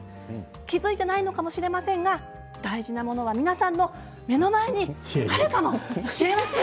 気付いていないのかもしれませんが、大事なものは皆さんの目の前にあるかもしれません！